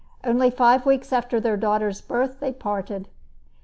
Only five weeks after their daughter's birth, they parted.